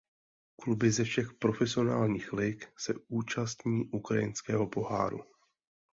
Kluby ze všech profesionálních lig se účastní Ukrajinského poháru.